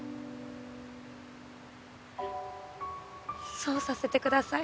そうさせてください。